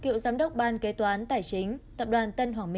cựu giám đốc ban kế toán tài chính tập đoàn tân hoàng mỹ